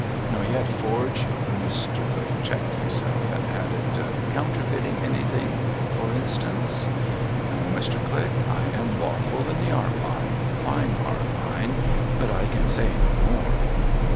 ' Nor yet forg ' Mr. Click cliecked himself, and added, ' counterfeiting anything, for instance ?'' No, Mr. Click. I am lawfully in tlie Art line — Fine Art line — but I can say no more.'